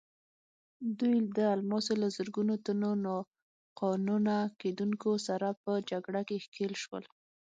دوی د الماسو له زرګونو تنو ناقانونه کیندونکو سره په جګړه کې ښکېل شول.